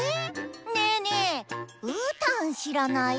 ねえねえうーたんしらない？